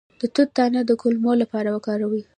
د توت دانه د کولمو لپاره وکاروئ